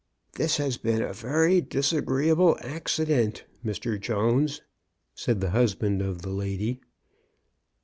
"This has been a very disagreeable accident, Mr. Jones," said the husband of the lady.